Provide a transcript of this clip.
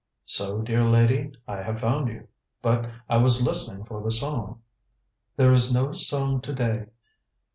"So, dear lady, I have found you. But I was listening for the song." "There is no song to day."